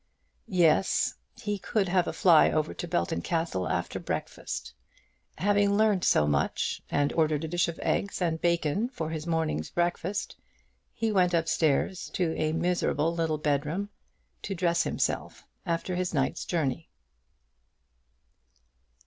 Yes, he could have a fly over to Belton Castle after breakfast. Having learned so much, and ordered a dish of eggs and bacon for his morning's breakfast, he went up stairs to a miserable little bedroom, to dress himself after his night's journey.